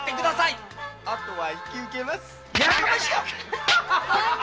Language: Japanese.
あとは引き受けます。